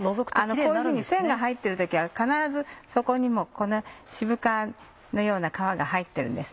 こういうふうに線が入ってる時は必ずそこにもこの渋皮のような皮が入ってるんです。